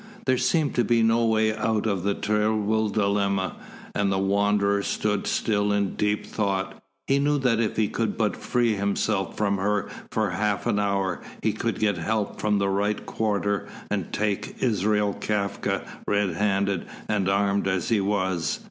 There seemed to be no way out of the terrible dilemma, and the Wanderer stood still in deep thought. He knew that if he could but free himself from her for half an hour, he could get help from the right quarter and take Israel Kafka red handed and armed as he was.